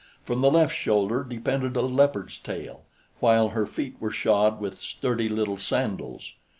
From the left shoulder depended a leopard's tail, while her feet were shod with sturdy little sandals.